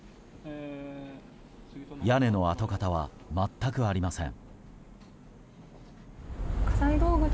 屋根の跡形は、全くありません。